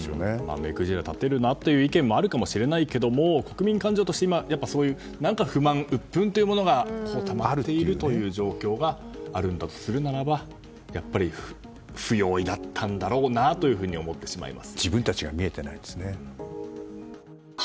目くじら立てるなという意見もあるかもしれませんが国民感情として、そういう不満、うっぷんというものがたまっているという状況があるんだとするならばやっぱり不用意だったんだろうなと思ってしまいます。